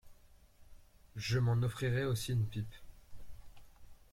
Je m’en offrirai aussi une pipe.